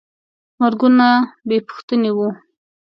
مرګونه بېپوښتنې وو.